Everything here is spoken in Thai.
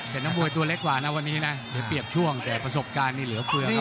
แต่นักมวยตัวเล็กกว่านะวันนี้นะเสียเปรียบช่วงแต่ประสบการณ์นี่เหลือเฟือครับ